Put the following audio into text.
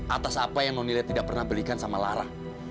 atas apa yang nonila tidak pernah belikan sama lara